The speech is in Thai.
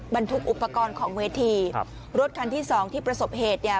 บรรทุกอุปกรณ์ของเวทีครับรถคันที่สองที่ประสบเหตุเนี่ย